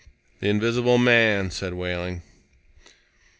"The invisible man," said Wehling.